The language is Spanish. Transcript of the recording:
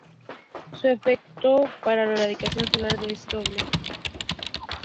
Su efecto para con la radiación solar es doble.